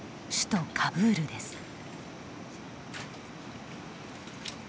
首都カブールです。